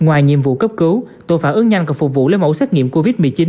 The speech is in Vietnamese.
ngoài nhiệm vụ cấp cứu tội phản ứng nhanh còn phục vụ lấy mẫu xét nghiệm covid một mươi chín